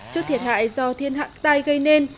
trước thiệt hại do thiên hạng tai gây nên